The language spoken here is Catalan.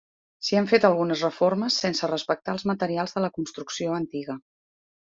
S'hi han fet algunes reformes sense respectar els materials de la construcció antiga.